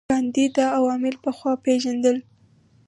ګاندي دا عوامل پخوا پېژندل.